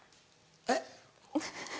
えっ？